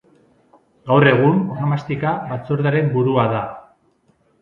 Gaur egun, Onomastika Batzordearen burua da.